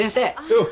よう。